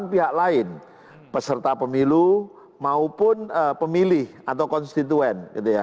pihak lain peserta pemilu maupun pemilih atau konstituen